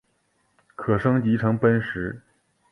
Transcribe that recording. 可升级成奔石。